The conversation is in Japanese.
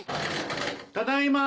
ただいま。